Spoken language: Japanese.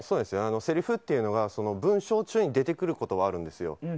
せりふっていうのは文章中に出てくることはあるんですよ。